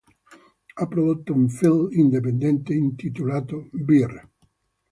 Ha prodotto un film indipendente intitolato "Bear".